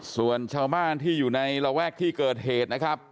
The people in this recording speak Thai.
ส่วนชาวบ้านที่อยู่ในระแวกที่เกิดเหตุนะครับ